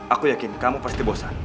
aku yakin kamu pasti bosan